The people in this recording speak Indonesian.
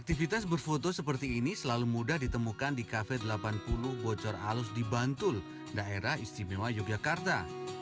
aktivitas berfoto seperti ini selalu mudah ditemukan di kafe delapan puluh bocor alus di bantul daerah istimewa yogyakarta